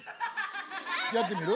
やってみる？